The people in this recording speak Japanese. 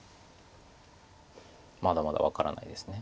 まだまだ分からないです。